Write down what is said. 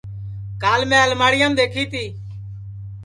کال میں الماڑیام دؔیکھی تی